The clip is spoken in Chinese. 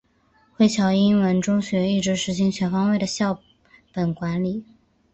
惠侨英文中学一直实行全方位的校本管理。